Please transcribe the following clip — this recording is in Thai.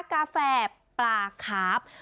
กาแฟปลาคาฟ